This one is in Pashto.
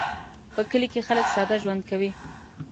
په کلي کې خلک ساده ژوند کوي